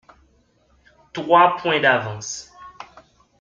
Trois points d’avance.